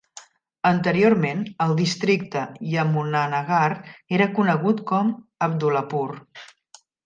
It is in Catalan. Anteriorment el districte Yamunanagar era conegut com Abdullapur.